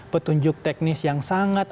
petunjuk teknis yang sangat